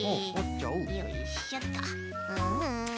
よいしょっと。